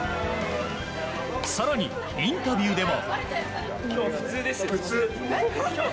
更にインタビューでも。